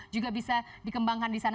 juga bisa dikembangkan di sana